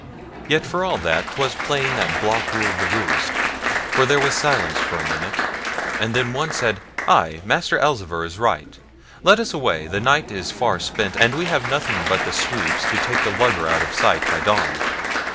Yet for all that 'twas plain that Block ruled the roost, for there was silence for a minute, and then one said, 'Ay, Master Elzevir is right; let us away, the night is far spent, and we have nothing but the sweeps to take the lugger out of sight by dawn.'